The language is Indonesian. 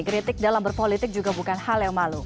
kritik dalam berpolitik juga bukan hal yang malu